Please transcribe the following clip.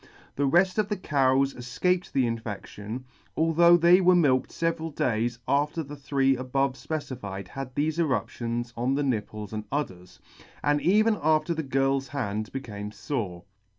The reft of the cows efcaped the infection, L 2 although [ 76 ] although they were milked feveral days after the three above fpecified had thefe eruptions on the nipples and udders, and even after the girl's hand became fore.